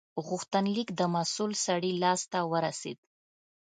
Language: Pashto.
غوښتنلیک د مسول سړي لاس ته ورسید.